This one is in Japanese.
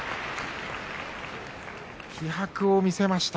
気迫を見せました。